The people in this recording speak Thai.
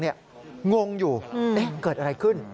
งงอยู่เกิดอะไรขึ้น